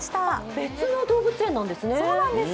別の動物園なんですね。